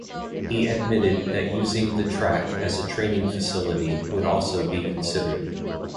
He admitted that using the track as a training facility would also be considered.